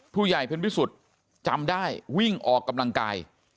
ผู้ใหญ่เพ็ญพิสุทธิ์จำได้วิ่งออกกำลังกาย